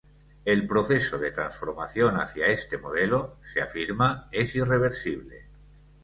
El proceso de transformación hacia este modelo –se afirma– es irreversible.